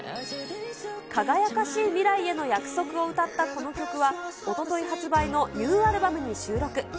輝かしい未来への約束を歌ったこの曲は、おととい発売のニューアルバムに収録。